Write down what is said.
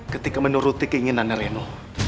ketika menuruti keinginan reno